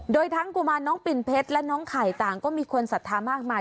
โดยทั้งกุมารน้องปิ่นเพชรและน้องไข่ต่างก็มีคนศรัทธามากมาย